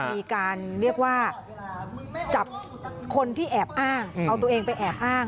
มีการเรียกว่าจับคนที่แอบอ้างเอาตัวเองไปแอบอ้าง